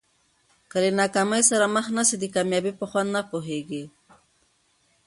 که له ناکامۍ سره مخ نه سې د کامیابۍ په خوند نه پوهېږې.